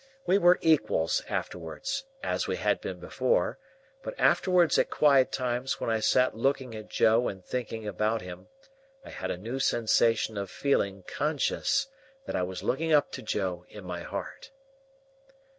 We were equals afterwards, as we had been before; but, afterwards at quiet times when I sat looking at Joe and thinking about him, I had a new sensation of feeling conscious that I was looking up to Joe in my heart.